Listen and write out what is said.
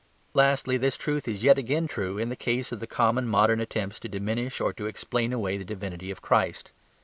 Lastly, this truth is yet again true in the case of the common modern attempts to diminish or to explain away the divinity of Christ.